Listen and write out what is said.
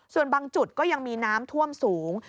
ส่วนบางจุดก็ยังมีน้ำท่วมสูง